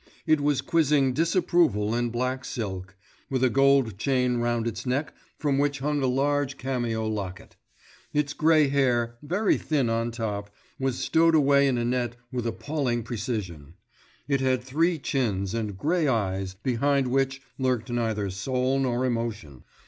It was quizzing Disapproval in black silk, with a gold chain round its neck from which hung a large cameo locket. Its grey hair, very thin on top, was stowed away in a net with appalling precision. It had three chins, and grey eyes, behind which lurked neither soul nor emotion.